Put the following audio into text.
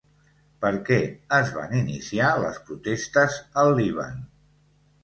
Per què es van iniciar les protestes al Líban?